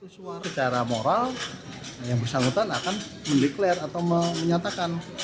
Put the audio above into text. secara moral yang bersangkutan akan meniklir atau menyatakan